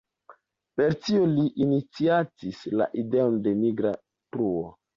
Per tio li iniciatis la ideon de nigra truo.